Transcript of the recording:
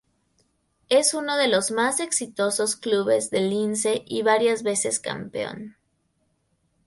Es uno de los más exitosos clubes de Lince y varias veces campeón.